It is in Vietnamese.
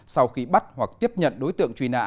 sau khi bắt hoặc tiếp nhận đối tượng truy nã